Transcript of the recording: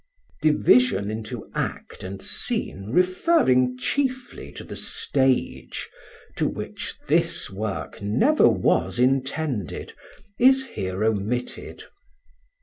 Division into Act and Scene referring chiefly to the Stage (to which this work never was intended) is here omitted.